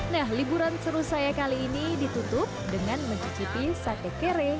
nah liburan seru saya kali ini ditutup dengan mencicipi sate kere